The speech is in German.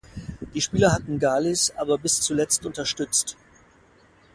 Die Spieler hatten Galis aber bis zuletzt unterstützt.